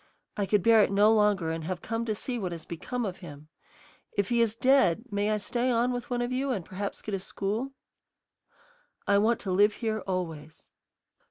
I could bear it no longer and have come to see what has become of him. If he is dead, may I stay on with one of you and perhaps get a school? I want to live here always."